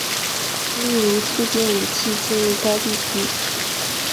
例如促进武器进入该地区。